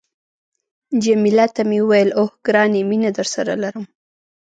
جميله ته مې وویل، اوه، ګرانې مینه درسره لرم.